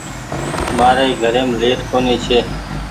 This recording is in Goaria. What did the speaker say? مآري گھريم ليٽ ڪونيٚ ڇي